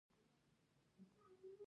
بندیز ټولو اقتصادي برخو ته وغځېد.